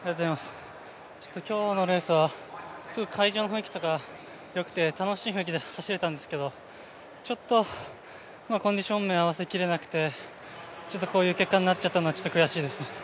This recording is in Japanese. ちょっと今日のレースはすごい会場の雰囲気とかはよくて楽しい雰囲気で走れたんですけどちょっとコンディション面を合わせきれなくてちょっとこういう結果になってしまったのは悔しいですね。